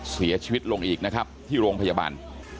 เสียชีวิตลงอีกนะครับที่โรงพยาบาล